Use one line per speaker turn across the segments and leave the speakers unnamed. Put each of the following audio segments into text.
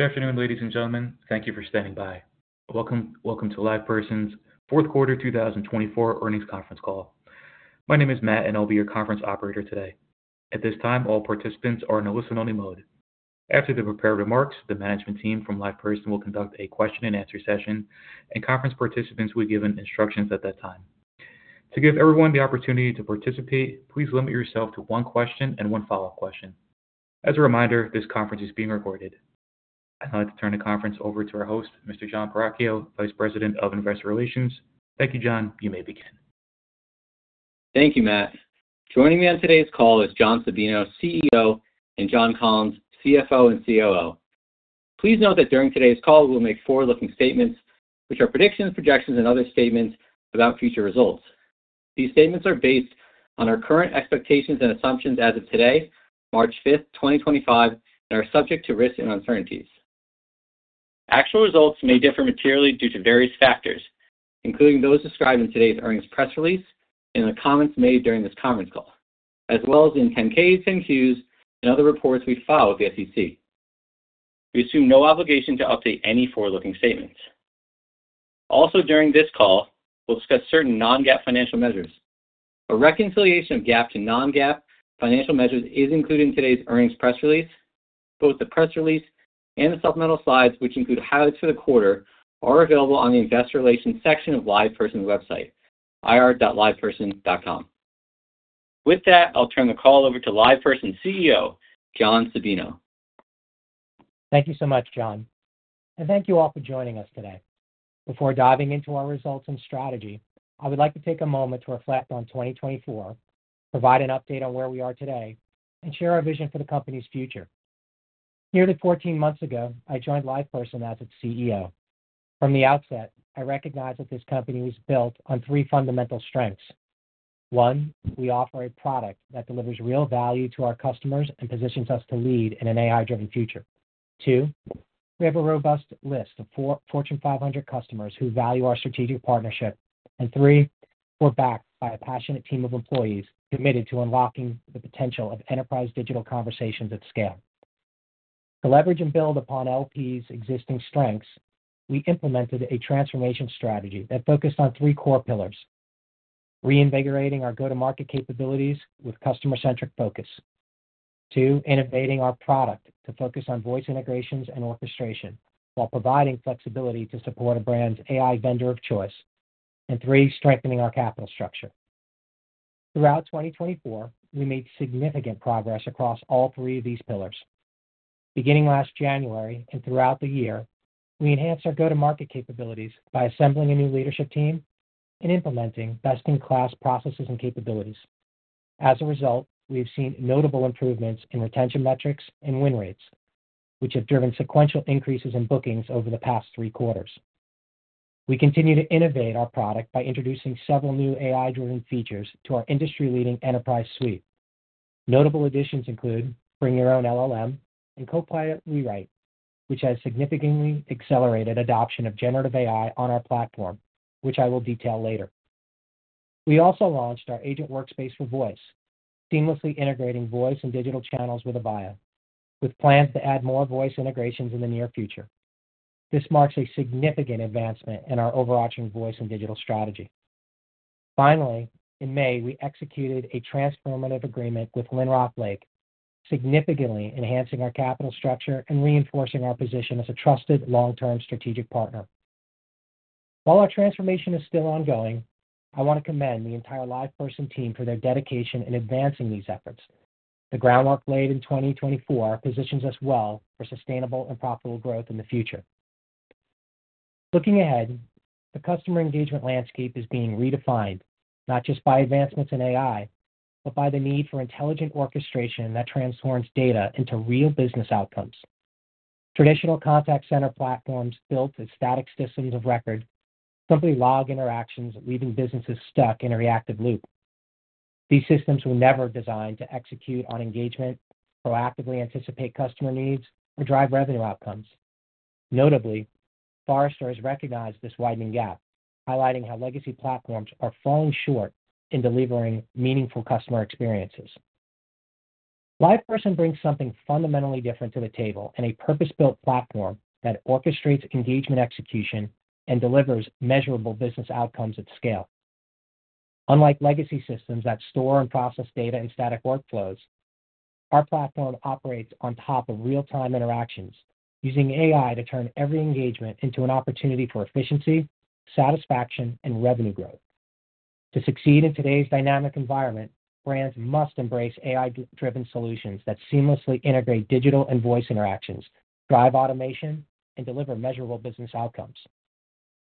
Good afternoon, ladies and gentlemen. Thank you for standing by. Welcome, welcome to LivePerson's fourth quarter 2024 earnings conference call. My name is Matt, and I'll be your conference operator today. At this time, all participants are in a listen-only mode. After the prepared remarks, the management team from LivePerson will conduct a question-and-answer session, and conference participants will be given instructions at that time. To give everyone the opportunity to participate, please limit yourself to one question and one follow-up question. As a reminder, this conference is being recorded. I'd like to turn the conference over to our host, Mr. Jon Perachio, Vice President of Investor Relations. Thank you, Jon. You may begin.
Thank you, Matt. Joining me on today's call is John Sabino, CEO, and John Collins, CFO and COO. Please note that during today's call, we will make forward-looking statements, which are predictions, projections, and other statements about future results. These statements are based on our current expectations and assumptions as of today, March 5th, 2025, and are subject to risks and uncertainties. Actual results may differ materially due to various factors, including those described in today's earnings press release and the comments made during this conference call, as well as in 10-Ks, 10-Qs, and other reports we file with the SEC. We assume no obligation to update any forward-looking statements. Also, during this call, we'll discuss certain non-GAAP financial measures. A reconciliation of GAAP to non-GAAP financial measures is included in today's earnings press release. Both the press release and the supplemental slides, which include highlights for the quarter, are available on the Investor Relations section of LivePerson's website, ir.liveperson.com. With that, I'll turn the call over to LivePerson CEO, John Sabino.
Thank you so much, Jon. Thank you all for joining us today. Before diving into our results and strategy, I would like to take a moment to reflect on 2024, provide an update on where we are today, and share our vision for the company's future. Nearly 14 months ago, I joined LivePerson as its CEO. From the outset, I recognize that this company was built on three fundamental strengths. One, we offer a product that delivers real value to our customers and positions us to lead in an AI-driven future. Two, we have a robust list of Fortune 500 customers who value our strategic partnership. Three, we're backed by a passionate team of employees committed to unlocking the potential of enterprise digital conversations at scale. To leverage and build upon LivePerson's existing strengths, we implemented a transformation strategy that focused on three core pillars: reinvigorating our go-to-market capabilities with customer-centric focus, two, innovating our product to focus on voice integrations and orchestration while providing flexibility to support a brand's AI vendor of choice, and three, strengthening our capital structure. Throughout 2024, we made significant progress across all three of these pillars. Beginning last January and throughout the year, we enhanced our go-to-market capabilities by assembling a new leadership team and implementing best-in-class processes and capabilities. As a result, we've seen notable improvements in retention metrics and win rates, which have driven sequential increases in bookings over the past three quarters. We continue to innovate our product by introducing several new AI-driven features to our industry-leading enterprise suite. Notable additions include Bring Your Own LLM and Copilot Rewrite, which has significantly accelerated adoption of generative AI on our platform, which I will detail later. We also launched our Agent Workspace for Voice, seamlessly integrating voice and digital channels with Avaya, with plans to add more voice integrations in the near future. This marks a significant advancement in our overarching voice and digital strategy. Finally, in May, we executed a transformative agreement with Lynrock Lake, significantly enhancing our capital structure and reinforcing our position as a trusted long-term strategic partner. While our transformation is still ongoing, I want to commend the entire LivePerson team for their dedication in advancing these efforts. The groundwork laid in 2024 positions us well for sustainable and profitable growth in the future. Looking ahead, the customer engagement landscape is being redefined, not just by advancements in AI, but by the need for intelligent orchestration that transforms data into real business outcomes. Traditional contact center platforms built as static systems of record simply log interactions, leaving businesses stuck in a reactive loop. These systems were never designed to execute on engagement, proactively anticipate customer needs, or drive revenue outcomes. Notably, Forrester has recognized this widening gap, highlighting how legacy platforms are falling short in delivering meaningful customer experiences. LivePerson brings something fundamentally different to the table and a purpose-built platform that orchestrates engagement execution and delivers measurable business outcomes at scale. Unlike legacy systems that store and process data in static workflows, our platform operates on top of real-time interactions, using AI to turn every engagement into an opportunity for efficiency, satisfaction, and revenue growth. To succeed in today's dynamic environment, brands must embrace AI-driven solutions that seamlessly integrate digital and voice interactions, drive automation, and deliver measurable business outcomes.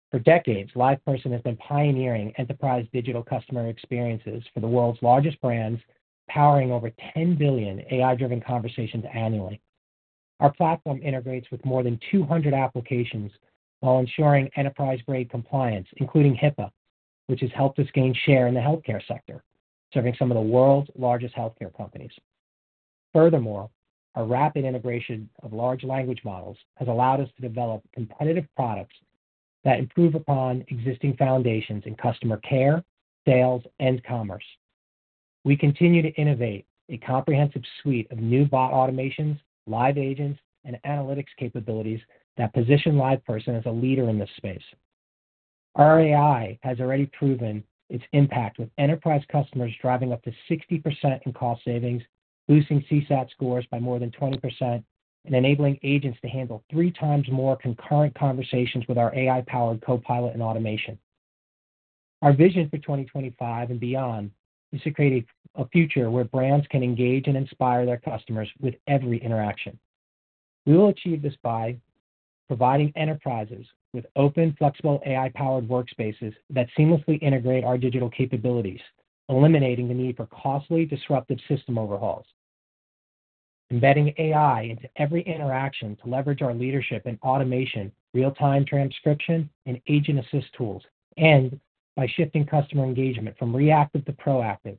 For decades, LivePerson has been pioneering enterprise digital customer experiences for the world's largest brands, powering over 10 billion AI-driven conversations annually. Our platform integrates with more than 200 applications while ensuring enterprise-grade compliance, including HIPAA, which has helped us gain share in the healthcare sector, serving some of the world's largest healthcare companies. Furthermore, our rapid integration of large language models has allowed us to develop competitive products that improve upon existing foundations in customer care, sales, and commerce. We continue to innovate a comprehensive suite of new bot automations, live agents, and analytics capabilities that position LivePerson as a leader in this space. Our AI has already proven its impact with enterprise customers driving up to 60% in cost savings, boosting CSAT scores by more than 20%, and enabling agents to handle three times more concurrent conversations with our AI-powered Copilot and automation. Our vision for 2025 and beyond is to create a future where brands can engage and inspire their customers with every interaction. We will achieve this by providing enterprises with open, flexible AI-powered workspaces that seamlessly integrate our digital capabilities, eliminating the need for costly, disruptive system overhauls, embedding AI into every interaction to leverage our leadership in automation, real-time transcription, and agent assist tools, and by shifting customer engagement from reactive to proactive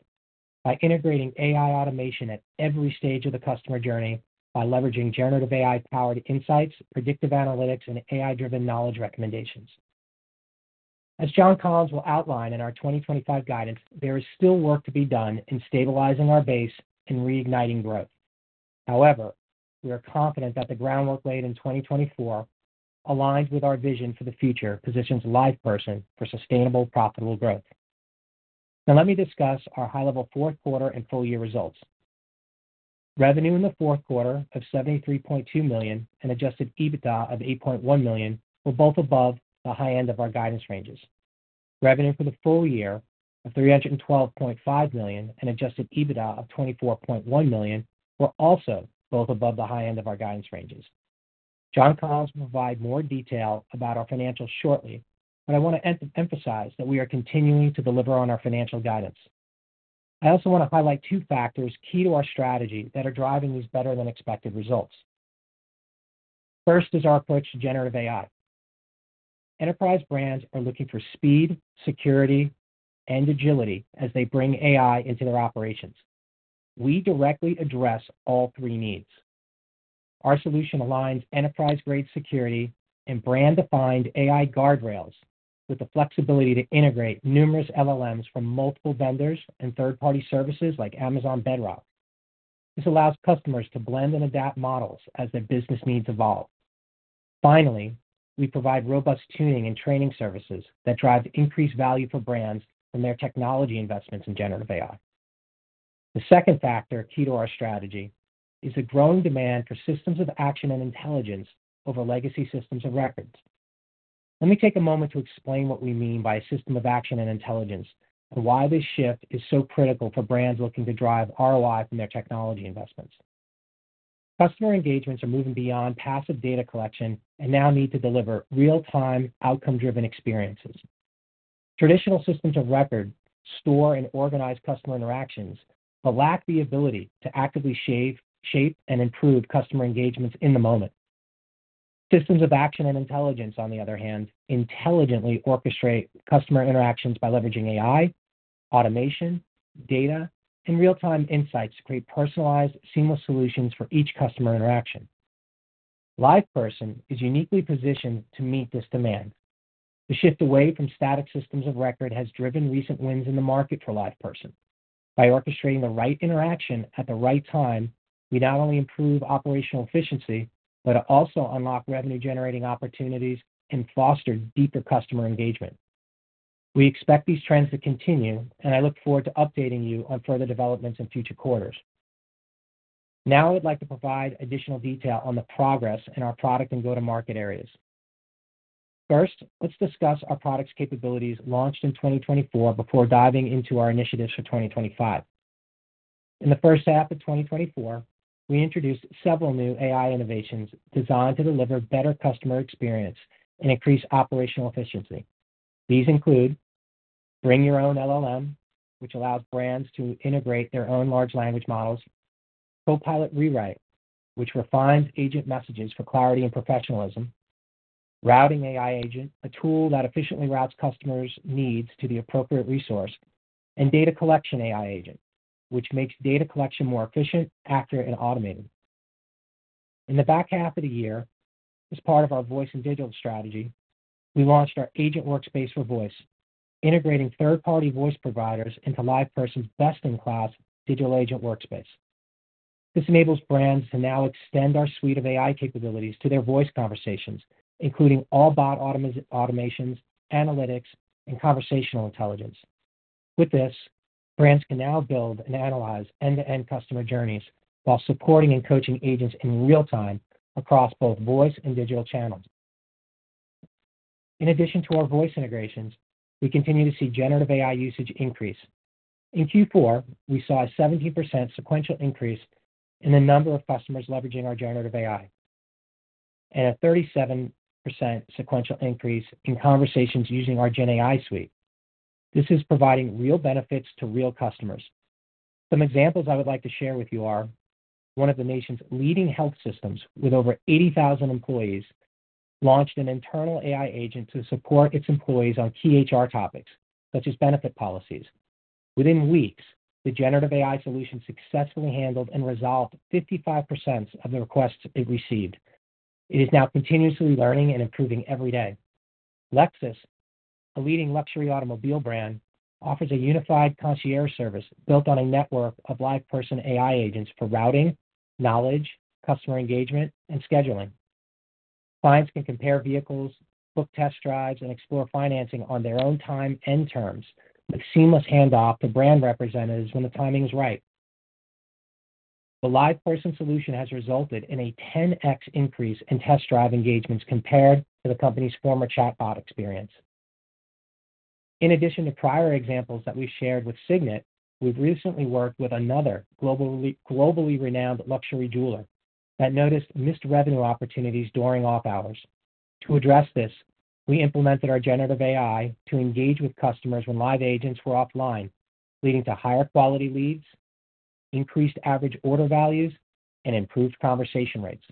by integrating AI automation at every stage of the customer journey by leveraging generative AI-powered insights, predictive analytics, and AI-driven knowledge recommendations. As John Collins will outline in our 2025 guidance, there is still work to be done in stabilizing our base and reigniting growth. However, we are confident that the groundwork laid in 2024 aligns with our vision for the future, positions LivePerson for sustainable, profitable growth. Now, let me discuss our high-level fourth quarter and full-year results. Revenue in the fourth quarter of $73.2 million and adjusted EBITDA of $8.1 million were both above the high end of our guidance ranges. Revenue for the full year of $312.5 million and adjusted EBITDA of $24.1 million were also both above the high end of our guidance ranges. John Collins will provide more detail about our financials shortly, but I want to emphasize that we are continuing to deliver on our financial guidance. I also want to highlight two factors key to our strategy that are driving these better-than-expected results. First is our approach to generative AI. Enterprise brands are looking for speed, security, and agility as they bring AI into their operations. We directly address all three needs. Our solution aligns enterprise-grade security and brand-defined AI guardrails with the flexibility to integrate numerous LLMs from multiple vendors and third-party services like Amazon Bedrock. This allows customers to blend and adapt models as their business needs evolve. Finally, we provide robust tuning and training services that drive increased value for brands from their technology investments in generative AI. The second factor key to our strategy is the growing demand for systems of action and intelligence over legacy systems of records. Let me take a moment to explain what we mean by a system of action and intelligence and why this shift is so critical for brands looking to drive ROI from their technology investments. Customer engagements are moving beyond passive data collection and now need to deliver real-time outcome-driven experiences. Traditional systems of record store and organize customer interactions but lack the ability to actively shape and improve customer engagements in the moment. Systems of action and intelligence, on the other hand, intelligently orchestrate customer interactions by leveraging AI, automation, data, and real-time insights to create personalized, seamless solutions for each customer interaction. LivePerson is uniquely positioned to meet this demand. The shift away from static systems of record has driven recent wins in the market for LivePerson. By orchestrating the right interaction at the right time, we not only improve operational efficiency but also unlock revenue-generating opportunities and foster deeper customer engagement. We expect these trends to continue, and I look forward to updating you on further developments in future quarters. Now, I'd like to provide additional detail on the progress in our product and go-to-market areas. First, let's discuss our product's capabilities launched in 2024 before diving into our initiatives for 2025. In the first half of 2024, we introduced several new AI innovations designed to deliver better customer experience and increase operational efficiency. These include Bring Your Own LLM, which allows brands to integrate their own large language models; Copilot Rewrite, which refines agent messages for clarity and professionalism; Routing AI Agent, a tool that efficiently routes customers' needs to the appropriate resource; and Data Collection AI Agent, which makes data collection more efficient, accurate, and automated. In the back half of the year, as part of our voice and digital strategy, we launched our Agent Workspace for Voice, integrating third-party voice providers into LivePerson's best-in-class digital agent workspace. This enables brands to now extend our suite of AI capabilities to their voice conversations, including all bot automations, analytics, and conversational intelligence. With this, brands can now build and analyze end-to-end customer journeys while supporting and coaching agents in real time across both voice and digital channels. In addition to our voice integrations, we continue to see generative AI usage increase. In Q4, we saw a 70% sequential increase in the number of customers leveraging our generative AI and a 37% sequential increase in conversations using our GenAI suite. This is providing real benefits to real customers. Some examples I would like to share with you are one of the nation's leading health systems with over 80,000 employees launched an internal AI agent to support its employees on key HR topics, such as benefit policies. Within weeks, the generative AI solution successfully handled and resolved 55% of the requests it received. It is now continuously learning and improving every day. Lexus, a leading luxury automobile brand, offers a unified concierge service built on a network of LivePerson AI agents for routing, knowledge, customer engagement, and scheduling. Clients can compare vehicles, book test drives, and explore financing on their own time and terms with seamless handoff to brand representatives when the timing is right. The LivePerson solution has resulted in a 10x increase in test drive engagements compared to the company's former chatbot experience. In addition to prior examples that we've shared with Signet, we've recently worked with another globally renowned luxury jeweler that noticed missed revenue opportunities during off-hours. To address this, we implemented our generative AI to engage with customers when live agents were offline, leading to higher quality leads, increased average order values, and improved conversation rates.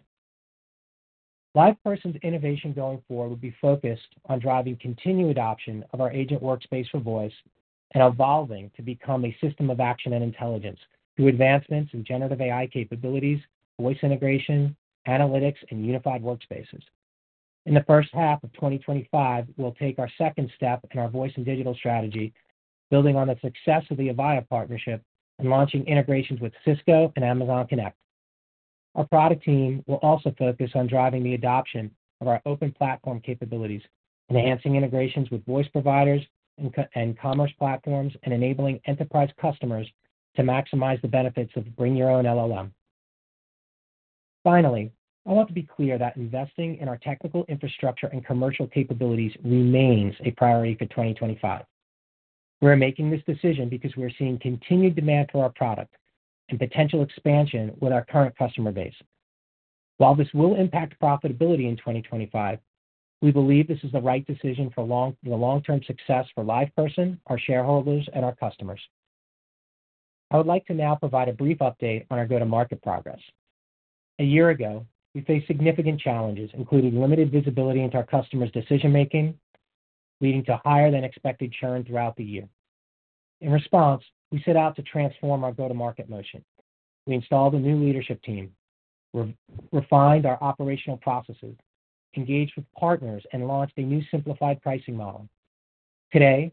LivePerson's innovation going forward will be focused on driving continued adoption of our Agent Workspace for Voice and evolving to become a system of action and intelligence through advancements in generative AI capabilities, voice integration, analytics, and unified workspaces. In the first half of 2025, we'll take our second step in our voice and digital strategy, building on the success of the Avaya partnership and launching integrations with Cisco and Amazon Connect. Our product team will also focus on driving the adoption of our open platform capabilities, enhancing integrations with voice providers and commerce platforms, and enabling enterprise customers to maximize the benefits of Bring Your Own LLM. Finally, I want to be clear that investing in our technical infrastructure and commercial capabilities remains a priority for 2025. We're making this decision because we're seeing continued demand for our product and potential expansion with our current customer base. While this will impact profitability in 2025, we believe this is the right decision for the long-term success for LivePerson, our shareholders, and our customers. I would like to now provide a brief update on our go-to-market progress. A year ago, we faced significant challenges, including limited visibility into our customers' decision-making, leading to higher-than-expected churn throughout the year. In response, we set out to transform our go-to-market motion. We installed a new leadership team, refined our operational processes, engaged with partners, and launched a new simplified pricing model. Today,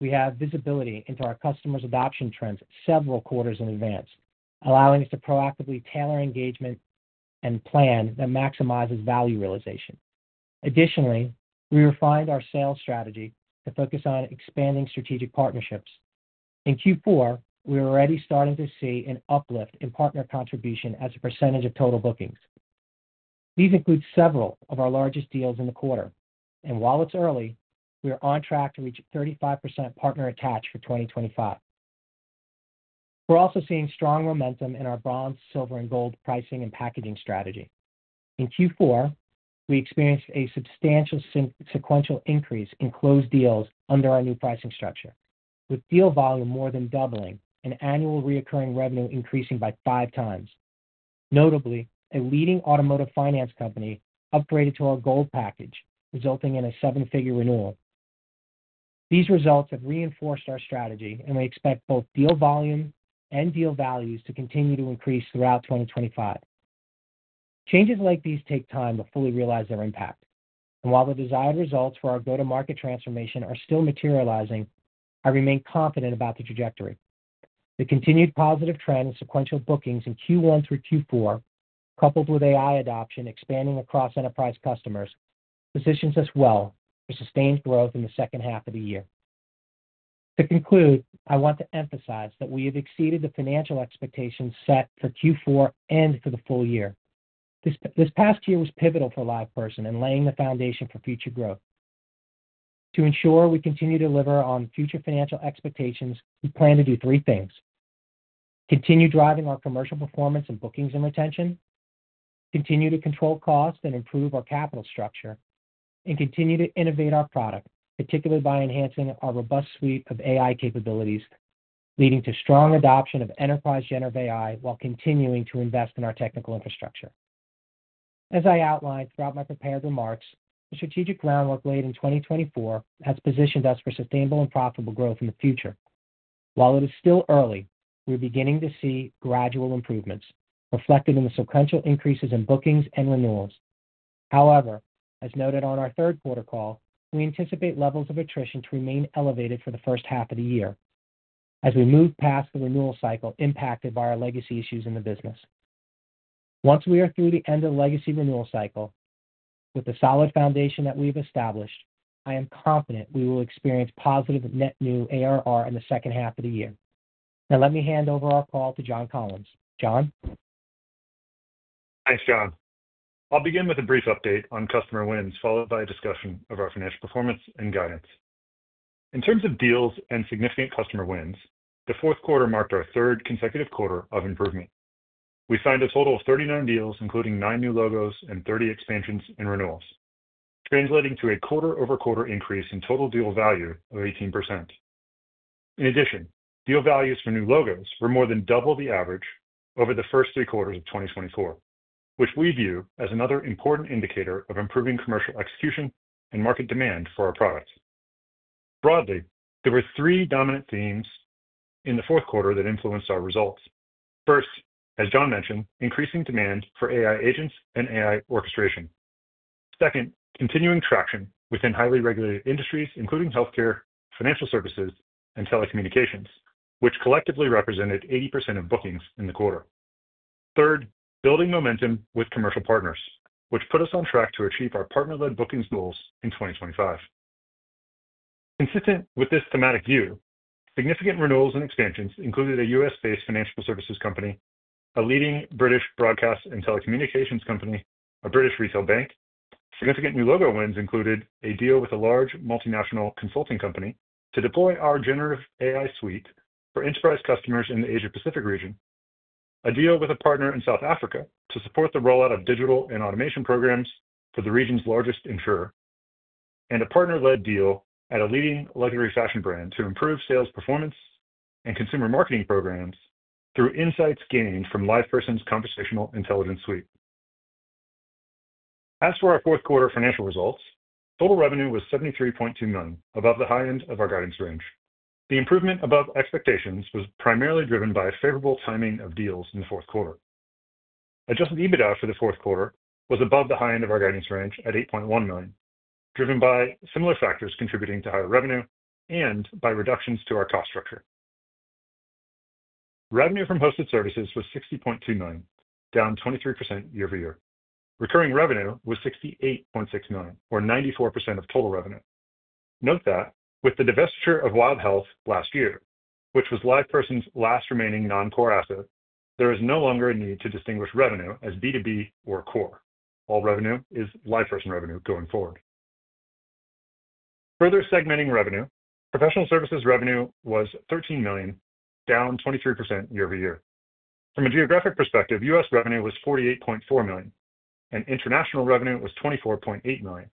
we have visibility into our customers' adoption trends several quarters in advance, allowing us to proactively tailor engagement and plan that maximizes value realization. Additionally, we refined our sales strategy to focus on expanding strategic partnerships. In Q4, we're already starting to see an uplift in partner contribution as a percentage of total bookings. These include several of our largest deals in the quarter, and while it's early, we are on track to reach 35% partner attach for 2025. We're also seeing strong momentum in our Bronze, Silver, and Gold pricing and packaging strategy. In Q4, we experienced a substantial sequential increase in closed deals under our new pricing structure, with deal volume more than doubling and annual recurring revenue increasing by five times. Notably, a leading automotive finance company upgraded to our Gold package, resulting in a seven-figure renewal. These results have reinforced our strategy, and we expect both deal volume and deal values to continue to increase throughout 2025. Changes like these take time to fully realize their impact, and while the desired results for our go-to-market transformation are still materializing, I remain confident about the trajectory. The continued positive trend in sequential bookings in Q1 through Q4, coupled with AI adoption expanding across enterprise customers, positions us well for sustained growth in the second half of the year. To conclude, I want to emphasize that we have exceeded the financial expectations set for Q4 and for the full year. This past year was pivotal for LivePerson and laying the foundation for future growth. To ensure we continue to deliver on future financial expectations, we plan to do three things: continue driving our commercial performance and bookings and retention, continue to control costs and improve our capital structure, and continue to innovate our product, particularly by enhancing our robust suite of AI capabilities, leading to strong adoption of enterprise-generative AI while continuing to invest in our technical infrastructure. As I outlined throughout my prepared remarks, the strategic groundwork laid in 2024 has positioned us for sustainable and profitable growth in the future. While it is still early, we're beginning to see gradual improvements reflected in the sequential increases in bookings and renewals. However, as noted on our third quarter call, we anticipate levels of attrition to remain elevated for the first half of the year as we move past the renewal cycle impacted by our legacy issues in the business. Once we are through the end of the legacy renewal cycle, with the solid foundation that we've established, I am confident we will experience positive net new ARR in the second half of the year. Now, let me hand over our call to John Collins. John?
Thanks, John. I'll begin with a brief update on customer wins, followed by a discussion of our financial performance and guidance. In terms of deals and significant customer wins, the fourth quarter marked our third consecutive quarter of improvement. We signed a total of 39 deals, including nine new logos and 30 expansions and renewals, translating to a quarter-over-quarter increase in total deal value of 18%. In addition, deal values for new logos were more than double the average over the first three quarters of 2024, which we view as another important indicator of improving commercial execution and market demand for our products. Broadly, there were three dominant themes in the fourth quarter that influenced our results. First, as John mentioned, increasing demand for AI agents and AI orchestration. Second, continuing traction within highly regulated industries, including healthcare, financial services, and telecommunications, which collectively represented 80% of bookings in the quarter. Third, building momentum with commercial partners, which put us on track to achieve our partner-led bookings goals in 2025. Consistent with this thematic view, significant renewals and expansions included a U.S.-based financial services company, a leading British broadcast and telecommunications company, a British retail bank. Significant new logo wins included a deal with a large multinational consulting company to deploy our Generative AI suite for enterprise customers in the Asia-Pacific region, a deal with a partner in South Africa to support the rollout of digital and automation programs for the region's largest insurer, and a partner-led deal at a leading luxury fashion brand to improve sales performance and consumer marketing programs through insights gained from LivePerson's Conversational Intelligence suite. As for our fourth quarter financial results, total revenue was $73.2 million, above the high end of our guidance range. The improvement above expectations was primarily driven by favorable timing of deals in the fourth quarter. Adjusted EBITDA for the fourth quarter was above the high end of our guidance range at $8.1 million, driven by similar factors contributing to higher revenue and by reductions to our cost structure. Revenue from hosted services was $60.2 million, down 23% year-over-year. Recurring revenue was $68.6 million, or 94% of total revenue. Note that with the divestiture of Wild Health last year, which was LivePerson's last remaining non-core asset, there is no longer a need to distinguish revenue as B2B or core. All revenue is LivePerson revenue going forward. Further segmenting revenue, professional services revenue was $13 million, down 23% year-over-year. From a geographic perspective, U.S. revenue was $48.4 million, and international revenue was $24.8 million,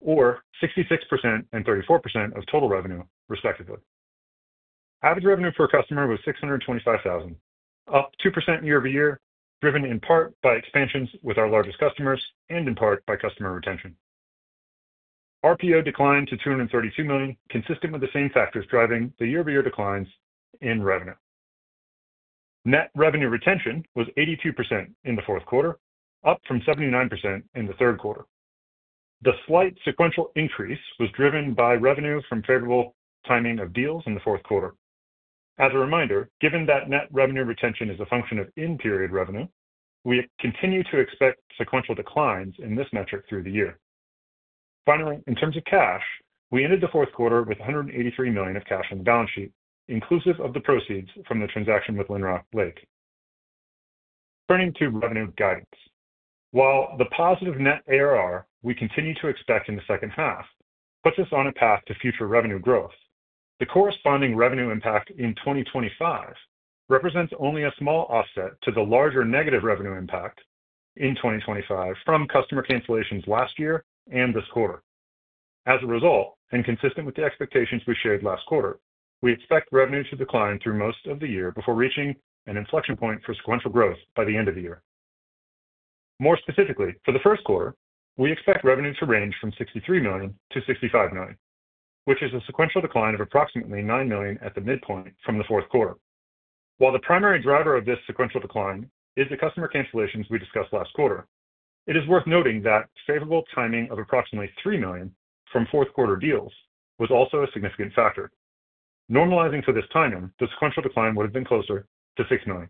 or 66% and 34% of total revenue, respectively. Average revenue per customer was $625,000, up 2% year-over-year, driven in part by expansions with our largest customers and in part by customer retention. RPO declined to $232 million, consistent with the same factors driving the year-over-year declines in revenue. Net revenue retention was 82% in the fourth quarter, up from 79% in the third quarter. The slight sequential increase was driven by revenue from favorable timing of deals in the fourth quarter. As a reminder, given that net revenue retention is a function of in-period revenue, we continue to expect sequential declines in this metric through the year. Finally, in terms of cash, we ended the fourth quarter with $183 million of cash on the balance sheet, inclusive of the proceeds from the transaction with Lynrock Lake. Turning to revenue guidance, while the positive net ARR we continue to expect in the second half puts us on a path to future revenue growth, the corresponding revenue impact in 2025 represents only a small offset to the larger negative revenue impact in 2025 from customer cancellations last year and this quarter. As a result, and consistent with the expectations we shared last quarter, we expect revenue to decline through most of the year before reaching an inflection point for sequential growth by the end of the year. More specifically, for the first quarter, we expect revenue to range from $63 million-$65 million, which is a sequential decline of approximately $9 million at the midpoint from the fourth quarter. While the primary driver of this sequential decline is the customer cancellations we discussed last quarter, it is worth noting that favorable timing of approximately $3 million from fourth-quarter deals was also a significant factor. Normalizing to this timing, the sequential decline would have been closer to $6 million.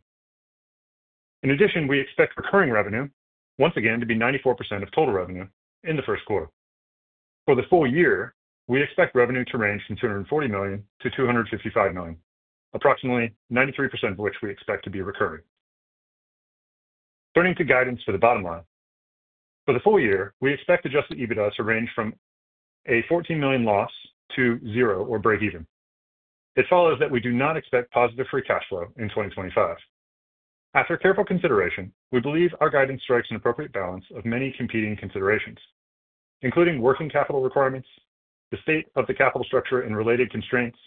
In addition, we expect recurring revenue, once again, to be 94% of total revenue in the first quarter. For the full year, we expect revenue to range from $240 million-$255 million, approximately 93% of which we expect to be recurring. Turning to guidance for the bottom line, for the full year, we expect adjusted EBITDA to range from a $14 million loss to zero or break-even. It follows that we do not expect positive free cash flow in 2025. After careful consideration, we believe our guidance strikes an appropriate balance of many competing considerations, including working capital requirements, the state of the capital structure and related constraints,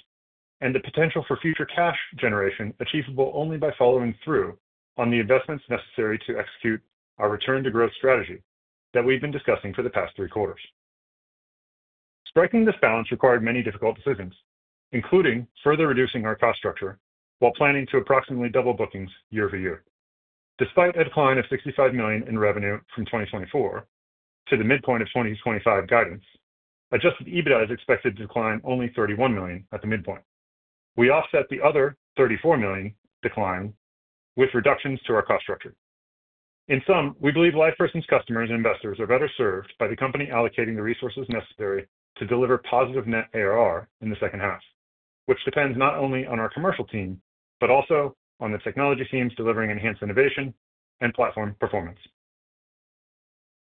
and the potential for future cash generation achievable only by following through on the investments necessary to execute our return-to-growth strategy that we've been discussing for the past three quarters. Striking this balance required many difficult decisions, including further reducing our cost structure while planning to approximately double bookings year-over-year. Despite a decline of $65 million in revenue from 2024 to the midpoint of 2025 guidance, adjusted EBITDA is expected to decline only $31 million at the midpoint. We offset the other $34 million decline with reductions to our cost structure. In sum, we believe LivePerson's customers and investors are better served by the company allocating the resources necessary to deliver positive net ARR in the second half, which depends not only on our commercial team but also on the technology teams delivering enhanced innovation and platform performance.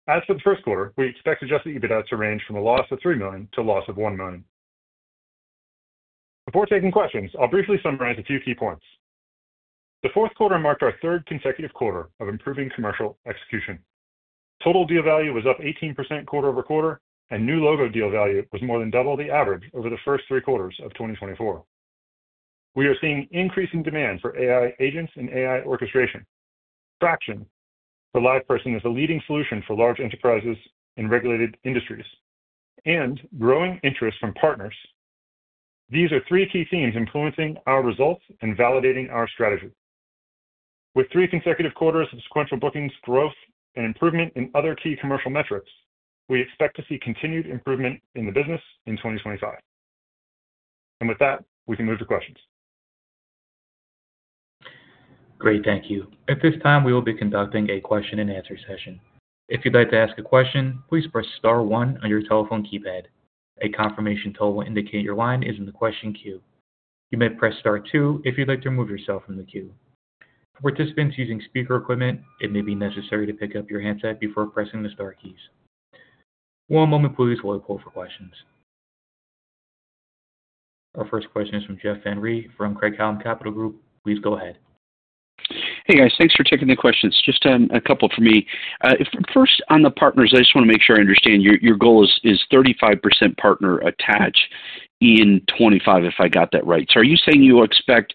As for the first quarter, we expect adjusted EBITDA to range from a loss of $3 million to a loss of $1 million. Before taking questions, I'll briefly summarize a few key points. The fourth quarter marked our third consecutive quarter of improving commercial execution. Total deal value was up 18% quarter-over-quarter, and new logo deal value was more than double the average over the first three quarters of 2024. We are seeing increasing demand for AI agents and AI orchestration, traction for LivePerson as a leading solution for large enterprises in regulated industries, and growing interest from partners. These are three key themes influencing our results and validating our strategy. With three consecutive quarters of sequential bookings growth and improvement in other key commercial metrics, we expect to see continued improvement in the business in 2025. With that, we can move to questions.
Great, thank you. At this time, we will be conducting a question-and-answer session. If you'd like to ask a question, please press star one on your telephone keypad. A confirmation tone will indicate your line is in the question queue. You may press star two if you'd like to remove yourself from the queue. For participants using speaker equipment, it may be necessary to pick up your handset before pressing the Star keys. One moment, please, while we pull up for questions. Our first question is from Jeff Van Rhee from Craig-Hallum Capital Group. Please go ahead.
Hey, guys. Thanks for taking the questions. Just a couple for me. First, on the partners, I just want to make sure I understand. Your goal is 35% partner attach in 2025, if I got that right. Are you saying you expect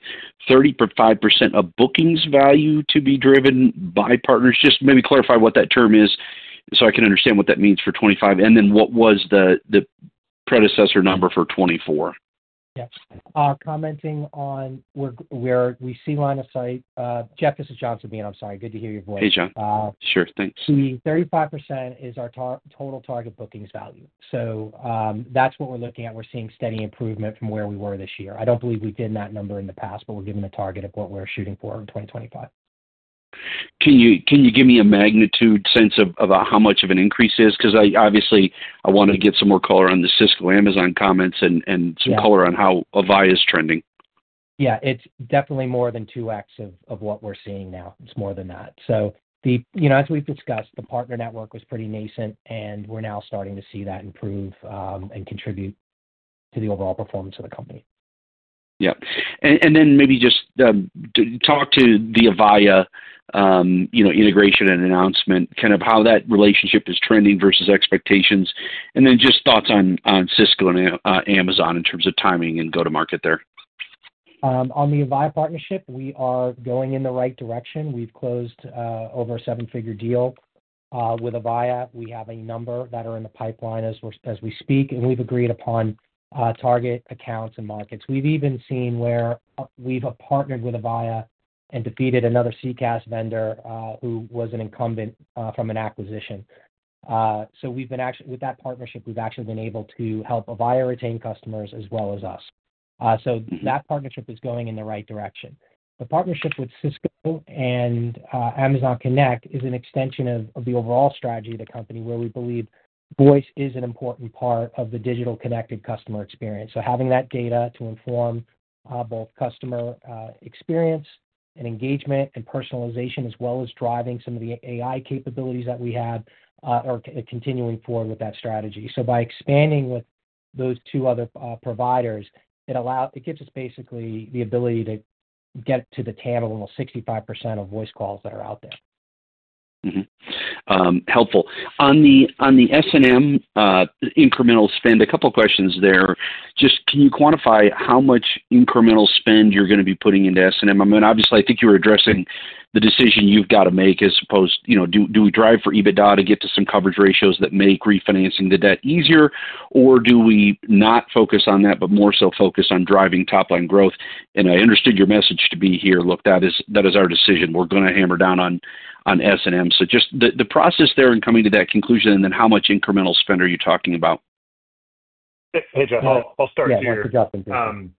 35% of bookings value to be driven by partners? Just maybe clarify what that term is so I can understand what that means for 2025, and then what was the predecessor number for 2024? Yes. Commenting on where we see line of sight, Jeff, this is John speaking. I'm sorry. Good to hear your voice. Hey, John. Sure. Thanks.
The 35% is our total target bookings value. That is what we're looking at. We're seeing steady improvement from where we were this year. I do not believe we've been that number in the past, but we're giving a target of what we're shooting for in 2025.
Can you give me a magnitude sense of how much of an increase it is? Because obviously, I wanted to get some more color on the Cisco Amazon comments and some color on how Avaya is trending.
Yeah. It is definitely more than 2X of what we're seeing now. It is more than that. As we've discussed, the partner network was pretty nascent, and we're now starting to see that improve and contribute to the overall performance of the company.
Yep. Maybe just talk to the Avaya integration and announcement, kind of how that relationship is trending versus expectations, and then just thoughts on Cisco and Amazon in terms of timing and go-to-market there.
On the Avaya partnership, we are going in the right direction. We've closed over a seven-figure deal with Avaya. We have a number that are in the pipeline as we speak, and we've agreed upon target accounts and markets. We've even seen where we've partnered with Avaya and defeated another CCaaS vendor who was an incumbent from an acquisition. With that partnership, we've actually been able to help Avaya retain customers as well as us. That partnership is going in the right direction. The partnership with Cisco and Amazon Connect is an extension of the overall strategy of the company, where we believe voice is an important part of the digital connected customer experience. Having that data to inform both customer experience and engagement and personalization, as well as driving some of the AI capabilities that we have, are continuing forward with that strategy. By expanding with those two other providers, it gives us basically the ability to get to the table of 65% of voice calls that are out there.
Helpful. On the S&M incremental spend, a couple of questions there. Just can you quantify how much incremental spend you're going to be putting into S&M? I mean, obviously, I think you're addressing the decision you've got to make as opposed to, do we drive for EBITDA to get to some coverage ratios that make refinancing the debt easier, or do we not focus on that but more so focus on driving top-line growth? I understood your message to be here, "Look, that is our decision. We're going to hammer down on S&M." Just the process there in coming to that conclusion and then how much incremental spend are you talking about?
Hey, Jeff. I'll start here. Yeah. You're good.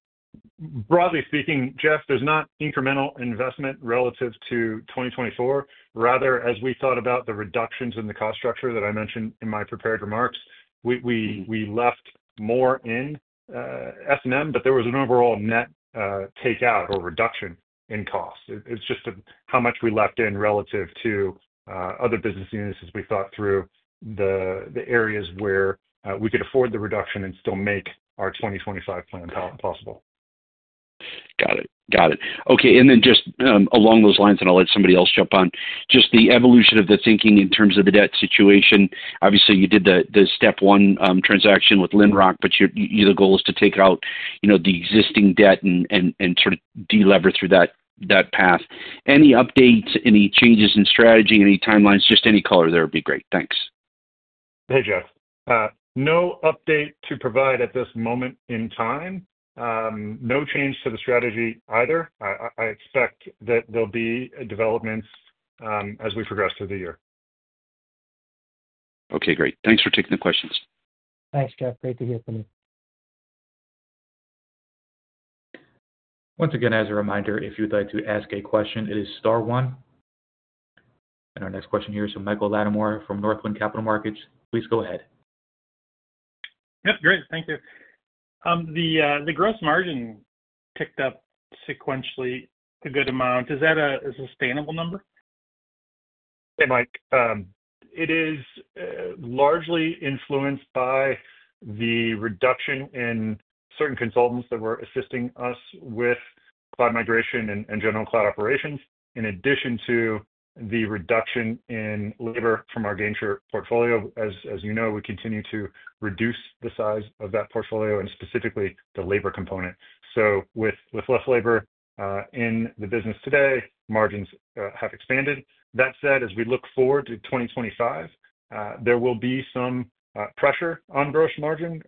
Broadly speaking, Jeff, there's not incremental investment relative to 2024. Rather, as we thought about the reductions in the cost structure that I mentioned in my prepared remarks, we left more in S&M, but there was an overall net takeout or reduction in cost. It's just how much we left in relative to other business units as we thought through the areas where we could afford the reduction and still make our 2025 plan possible.
Got it. Got it. Okay. Just along those lines, I'll let somebody else jump on, just the evolution of the thinking in terms of the debt situation. Obviously, you did the step one transaction with Lynrock, but the goal is to take out the existing debt and sort of deleverage through that path. Any updates, any changes in strategy, any timelines, just any color there would be great. Thanks.
Hey, Jeff. No update to provide at this moment in time. No change to the strategy either. I expect that there'll be developments as we progress through the year.
Okay. Great. Thanks for taking the questions.
Thanks, Jeff. Great to hear from you.
Once again, as a reminder, if you'd like to ask a question, it is star one. Our next question here is from Michael Latimore from Northland Capital Markets. Please go ahead.
Yep. Great. Thank you. The gross margin ticked up sequentially a good amount. Is that a sustainable number?
Hey, Mike. It is largely influenced by the reduction in certain consultants that were assisting us with cloud migration and general cloud operations, in addition to the reduction in labor from our Gainshare portfolio. As you know, we continue to reduce the size of that portfolio and specifically the labor component. With less labor in the business today, margins have expanded. That said, as we look forward to 2025, there will be some pressure on gross margin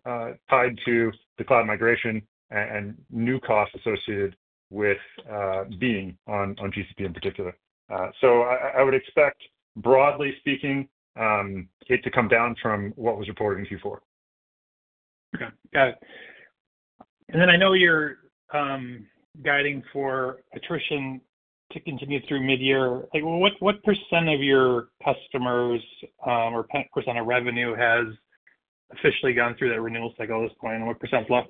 tied to the cloud migration and new costs associated with being on GCP in particular. I would expect, broadly speaking, it to come down from what was reported in Q4.
Okay. Got it. I know you're guiding for attrition to continue through mid-year. What percent of your customers or percent of revenue has officially gone through that renewal cycle at this point, and what % is left?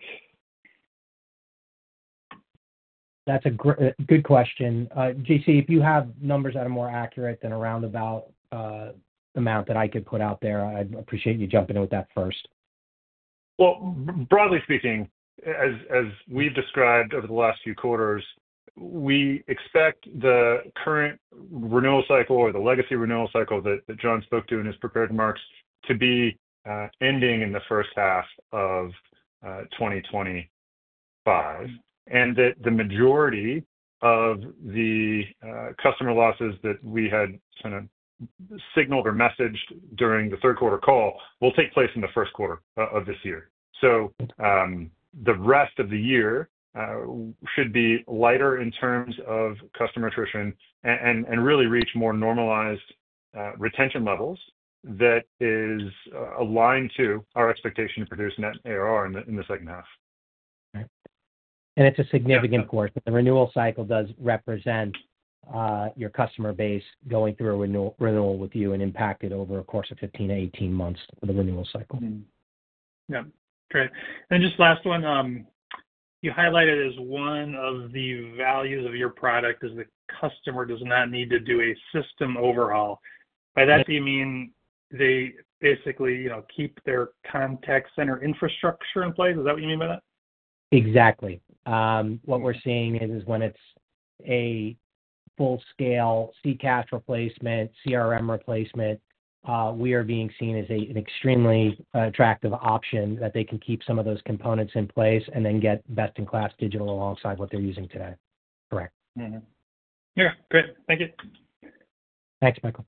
That's a good question. JC, if you have numbers that are more accurate than a roundabout amount that I could put out there, I'd appreciate you jumping in with that first.
Broadly speaking, as we've described over the last few quarters, we expect the current renewal cycle or the legacy renewal cycle that John spoke to in his prepared remarks to be ending in the first half of 2025, and that the majority of the customer losses that we had kind of signaled or messaged during the third-quarter call will take place in the first quarter of this year. The rest of the year should be lighter in terms of customer attrition and really reach more normalized retention levels that is aligned to our expectation to produce net ARR in the second half.
It is a significant course. The renewal cycle does represent your customer base going through a renewal with you and impacted over a course of 15 months, 18 months for the renewal cycle.
Yeah. Great. And just last one. You highlighted as one of the values of your product is the customer does not need to do a system overhaul. By that, do you mean they basically keep their contact center infrastructure in place? Is that what you mean by that?
Exactly. What we're seeing is when it's a full-scale CCaaS replacement, CRM replacement, we are being seen as an extremely attractive option that they can keep some of those components in place and then get best-in-class digital alongside what they're using today. Correct. Yeah.
Great. Thank you.
Thanks, Michael.